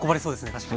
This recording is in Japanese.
確かに。